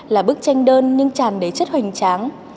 là bức tranh đơn nhưng tràn đầy chất hoành tráng